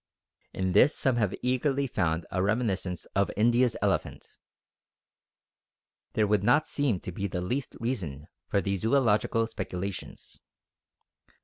In this some have eagerly found a reminiscence of India's elephant. There would not seem to be the least reason for these zoological speculations.